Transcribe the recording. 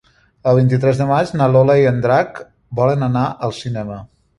El vint-i-tres de maig na Lola i en Drac volen anar al cinema.